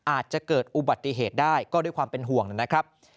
อาจจะเกิดอุบัติเหตุได้ก็ด้วยความเป็นห่วงนะครับ